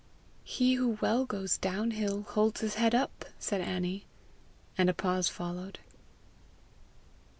"He who well goes down hill, holds his head up!" said Annie, and a pause followed.